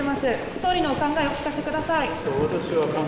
総理のお考えをお聞かせください。